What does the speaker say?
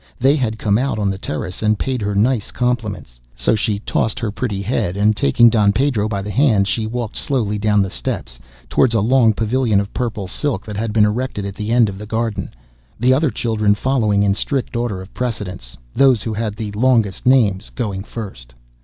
They had come out on the terrace, and paid her nice compliments. So she tossed her pretty head, and taking Don Pedro by the hand, she walked slowly down the steps towards a long pavilion of purple silk that had been erected at the end of the garden, the other children following in strict order of precedence, those who had the longest names going first.